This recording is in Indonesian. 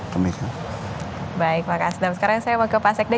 baik makasih sekarang saya mau ke pak sekde